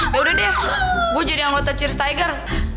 ya udah deh gue jadi anggota cheers tiger